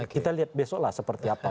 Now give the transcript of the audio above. kita lihat besok lah seperti apa